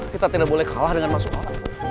kita tidak boleh kalah dengan mas suha